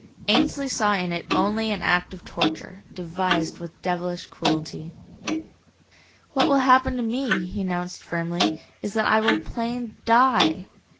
Ainsley saw in it only an act of torture, devised with devilish cruelty. "What will happen to me," he announced firmly, "is that I will plain DIE!